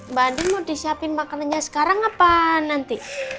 mbak andin mau disiapin makannya sekarang apa nanti